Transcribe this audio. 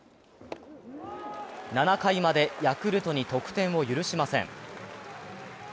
７回までヤクルトに得点を許しません。